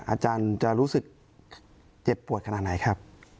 อาจารย์จะรู้สึกเจ็บปวดขนาดไหนครับ